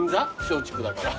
松竹だから。